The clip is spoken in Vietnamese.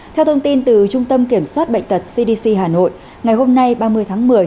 theo thông tin từ trung tâm kiểm soát bệnh tật cdc hà nội ngày hôm nay ba mươi tháng một mươi